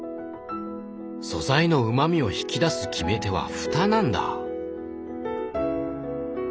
素材のうまみを引き出す決め手はふたなんだ！